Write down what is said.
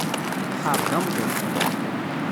Tḥerr-d amḍiq.